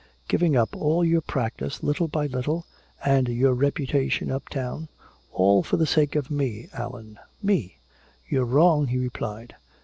Giving up all your practice little by little, and your reputation uptown all for the sake of me, Allan, me!" "You're wrong," he replied.